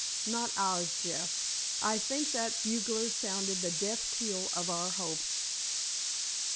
"Not ours, Jeff. I think that bugler sounded the death knell of our hopes."